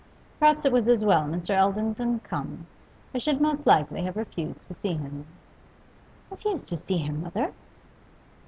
Perhaps it was as well Mr. Eldon didn't come. I should most likely have refused to see him.' 'Refused to see him, mother?